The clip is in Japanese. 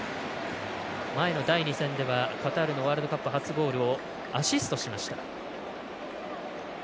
前の第２戦ではカタールのワールドカップ初ゴールをアシストしました。